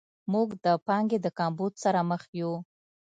موږ د پانګې د کمبود سره مخ یو.